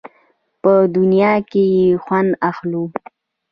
په دنیا کې یې خوند اخلو.